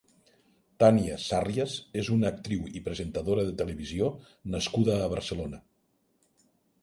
Tània Sàrrias és una actriu i presentadora de televisió nascuda a Barcelona.